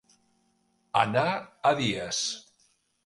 Anar a dies.